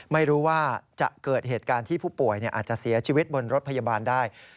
ไม่รู้ว่าจะเกิดเหตุการณ์ที่ผู้ป่วยอาจจะเสียชีวิตบนรถพยาบาลได้